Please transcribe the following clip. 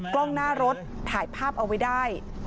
กล้องหน้ารถถ่ายภาพเอาไว้ได้